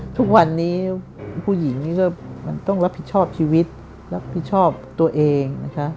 ทุกวันนี้ผู้หญิงนี่ก็มันต้องรับผิดชอบชีวิตรับผิดชอบตัวเองนะคะ